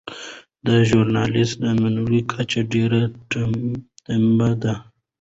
د دې ژورنال د منلو کچه ډیره ټیټه ده.